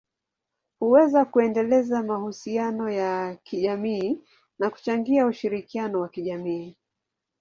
huweza kuendeleza mahusiano ya kijamii na kuchangia ushirikiano wa kijamii.